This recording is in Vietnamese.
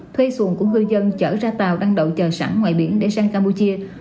thuê xuồng của người dân chở ra tàu đăng đậu chờ sẵn ngoài biển để sang campuchia